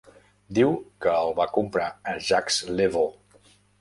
Diu que el va comprar a Jacques Le Beau.